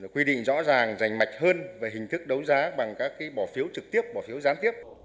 quy định rõ ràng rành mạch hơn về hình thức đấu giá bằng các bỏ phiếu trực tiếp bỏ phiếu gián tiếp